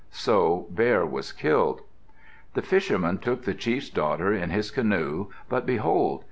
So Bear was killed. The fisherman took the chief's daughter in his canoe. But behold!